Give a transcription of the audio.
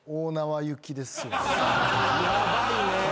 ヤバいね。